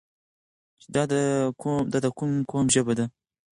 چې دا د کوم قوم ژبه ده؟